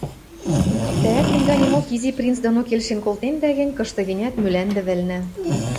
Тӓӓт, мӹнь ганемок, Изи принц доно келшен колтендӓ гӹнь, кышты-гӹнят Мӱлӓндӹ вӹлнӹ